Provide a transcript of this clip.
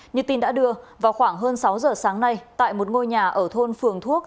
như tin đã đưa vào khoảng hơn sáu giờ sáng nay tại một ngôi nhà ở thôn phường thuốc